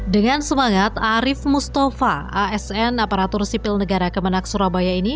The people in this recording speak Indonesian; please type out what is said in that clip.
dengan semangat arief mustafa asn aparatur sipil negara kemenang surabaya ini